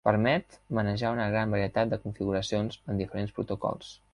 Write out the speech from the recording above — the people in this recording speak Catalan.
Permet manejar una gran varietat de configuracions, amb diferents protocols.